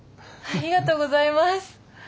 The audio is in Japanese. ありがとうございます。